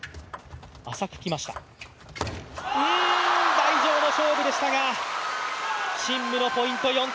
台上の勝負でしたが、陳夢のポイント。